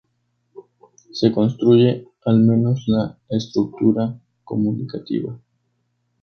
se construye, al menos, la estructura comunicativa